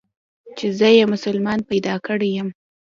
چې زه يې مسلمان پيدا کړى يم.